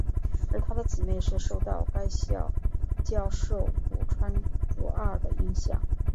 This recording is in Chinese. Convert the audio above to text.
而他的姊姊是受到该校教授古川竹二的影响。